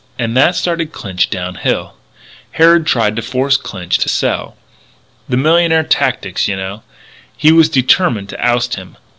And that started Clinch down hill. Harrod tried to force Clinch to sell. The millionaire tactics you know. He was determined to oust him.